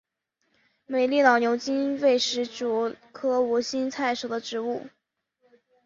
美丽老牛筋为石竹科无心菜属的植物。